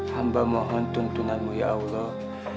hamba mohon tuntunanmu ya allah